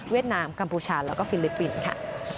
นามกัมพูชาแล้วก็ฟิลิปปินส์ค่ะ